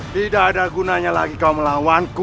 tidak ada gunanya lagi kau melawanku